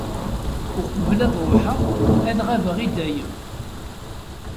Uqbel ad ruḥeɣ, ad ɣabeɣ i dayem.